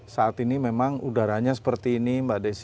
saat ini memang udaranya seperti ini mbak desi